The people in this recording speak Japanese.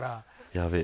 やべえ。